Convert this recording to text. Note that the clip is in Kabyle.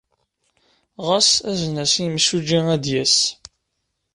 Ɣas azen-as i yimsujji ad d-yas.